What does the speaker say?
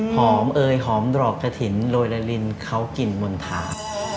หอมเอยหอมดรอกกะถิ่นโรยละลินเข้ากลิ่นมนตรา